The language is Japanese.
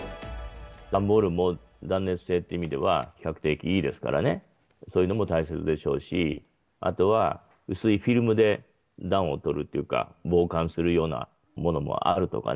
段ボールも断熱性という意味では、比較的いいですからね、そういうものの大切でしょうし、あとは薄いフィルムで暖をとるっていうか、防寒するようなものもあるとかね。